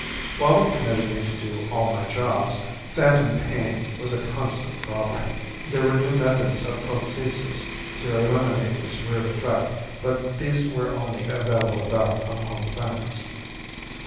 While they permitted me to do all my jobs, phantom pain was a constant problem. There were new methods of prosthesis to eliminate this weird effect but these were only available back on the home planets.